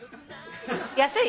安い？